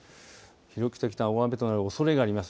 記録的な大雨となるおそれがあります。